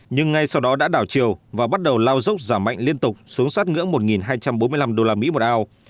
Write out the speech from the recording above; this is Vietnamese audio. nhưng ngay sau đó đã đảo chiều và bắt đầu lao dốc giảm mạnh liên tục xuống sát ngưỡng một hai trăm bốn mươi năm usd một ao